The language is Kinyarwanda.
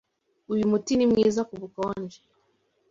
Uyu muti ni mwiza kubukonje.